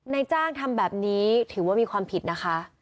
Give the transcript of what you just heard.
ในจ้างทำแบบนี้ถือว่ามีความผิดนะคะ